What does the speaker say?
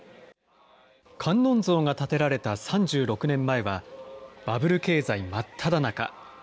観音像が建てられた３６年前は、バブル経済真っただ中。